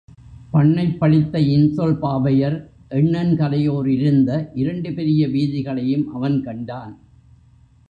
பண்ணைப்பழித்த இன்சொல் பாவையர் எண்ணெண்கலையோர் இருந்த இரண்டு பெரிய வீதிகளையும் அவன் கண்டான்.